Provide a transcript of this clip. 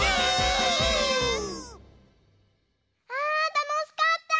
あたのしかった！ね。